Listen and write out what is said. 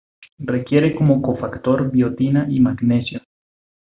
Requiere como cofactor biotina y magnesio.